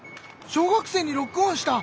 小学生にロックオンした！